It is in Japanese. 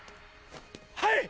はい！！